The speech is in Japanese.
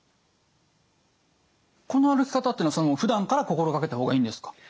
この歩き方っていうのはふだんから心掛けた方がいいんですか？